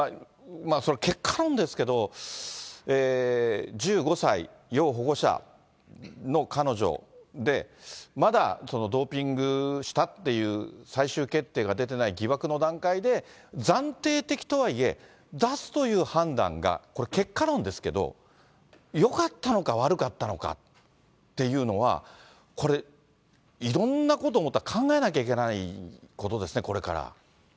まあ、その結果論ですが、１５歳、要保護者の彼女で、まだドーピングしたっていう最終決定が出てない疑惑の段階で、暫定的とはいえ、出すという判断がこれ、結果論ですけど、よかったのか悪かったのかっていうのは、これ、いろんなこと思ったら考えなきゃいけないことですね、これから。